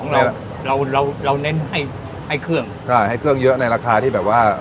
เราเราเราเน้นให้ให้เครื่องใช่ให้เครื่องเยอะในราคาที่แบบว่า